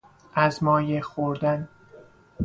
از مایه خوردن